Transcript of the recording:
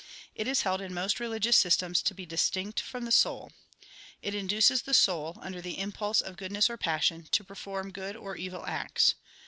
It is held in most religious systems to be distinct from the soul. 2 It induces the soul, under the impulse of goodness or passion, to perform good or evil acts.